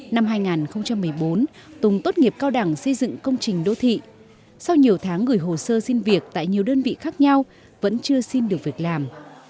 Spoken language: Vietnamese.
năm hai nghìn một mươi bốn tùng tốt nghiệp cao đẳng xây dựng công trình đô thị sau nhiều tháng gửi hồ sơ xin việc tại nhiều đơn vị khác nhau vẫn chưa xin được việc làm